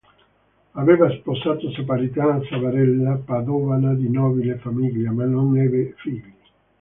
Aveva sposato Samaritana Zabarella, padovana di nobile famiglia, ma non ebbe figli.